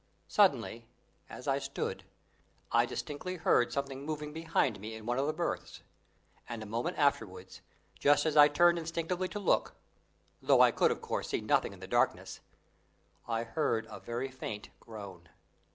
Suddenly, as I stood, I distinctly heard something moving behind me in one of the berths, and a moment afterwards, just as I turned instinctively to look though I could, of course, see nothing in the darkness I heard a very faint groan.